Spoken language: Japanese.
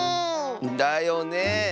だよね。